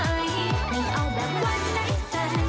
ไม่เอาแบบว่าไลฟ์แฟน